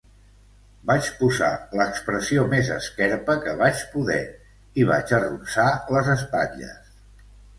Vaig posar l'expressió més esquerpa que vaig poder i vaig arronsar les espatlles.